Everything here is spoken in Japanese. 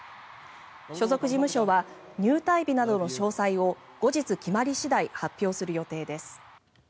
所属事務所は入隊日などの詳細を後日、決まり次第発表する予定です。